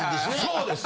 そうです。